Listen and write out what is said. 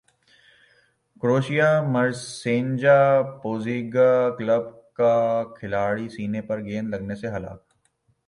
کروشیا مرسینجا Pozega club کا کھلاڑی سینے پر گیند لگنے سے ہلاک